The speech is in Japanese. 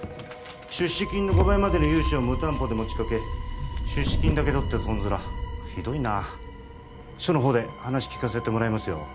出資金の５倍までの融資を無担保で持ちかけ出資金だけ取ってトンズラひどいな署の方で話聴かせてもらいますよ